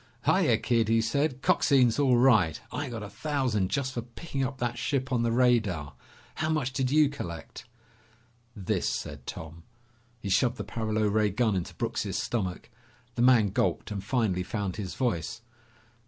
"Hiya, Kid," he said. "Coxine's all right. I got a thousand just for picking up that ship on the radar. How much did you collect?" "This," said Tom. He shoved the paralo ray gun into Brooks' stomach. The man gulped and finally found his voice.